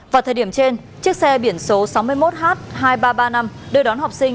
vào thời điểm trên chiếc xe biển số sáu mươi một h hai nghìn ba trăm ba mươi năm đưa đón học sinh